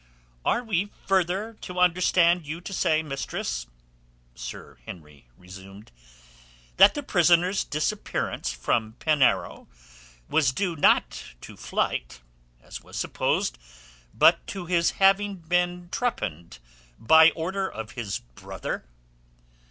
"Are we further to understand you to say, mistress," Lord Henry resumed, "that the prisoner's disappearance from Penarrow was due not to flight, as was supposed, but to his having been trepanned by order of his brother?"